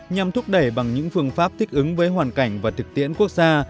nhằm thúc đẩy bằng những phương pháp thích ứng với hoàn cảnh và thực tiễn quốc gia